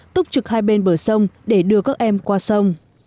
túc trực hai bên bờ sông để đưa các em qua sông